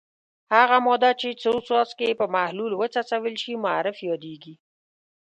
هغه ماده چې څو څاڅکي یې په محلول وڅڅول شي معرف یادیږي.